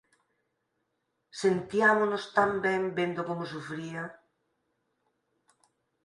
Sentiámonos tan ben vendo como sufría...